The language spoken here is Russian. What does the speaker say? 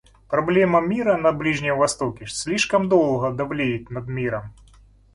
Проблема мира на Ближнем Востоке слишком долго довлеет над миром.